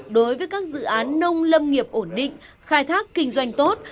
đối với các dự án nông lâm nghiệp ổn định khai thác kinh doanh tốt